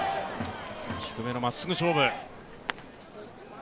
低めのまっすぐ勝負。